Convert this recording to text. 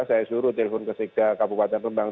saya suruh telepon ke sigda kabupaten rembang